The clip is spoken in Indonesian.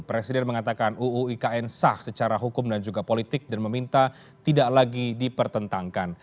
presiden mengatakan uu ikn sah secara hukum dan juga politik dan meminta tidak lagi dipertentangkan